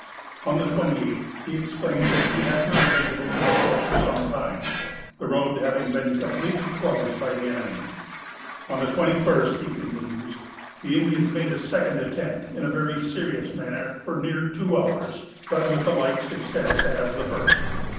On the twenty eighth, he explains that he has not been able to report for some time, the road having been completely closed by the enemy. "On the twenty first," he continues, "the Indians made a second attempt in a very serious manner, for near two hours, but with the like success as the first.